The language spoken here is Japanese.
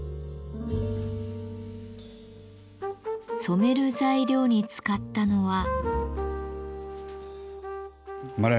染める材料に使ったのは。